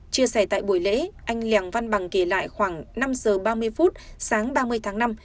chia sẻ tại buổi lễ anh lèng văn bằng kể lại khoảng năm giờ ba mươi phút sáng ba mươi tháng năm